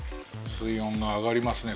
水温が上がりますね